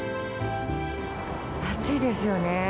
暑いですよね。